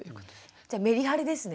じゃあメリハリですね。